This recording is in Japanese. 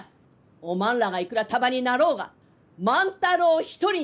おまんらがいくら束になろうが万太郎一人にはかなわん！